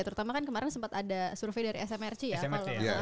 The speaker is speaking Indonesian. terutama kan kemarin sempat ada survei dari smrc ya